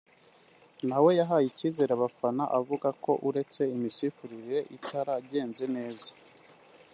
nawe yahaye icyizere abafana avuga ko uretse imisifurire itaragenze neza